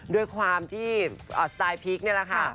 ด้วยความที่สไตล์พีคนี่แหละค่ะ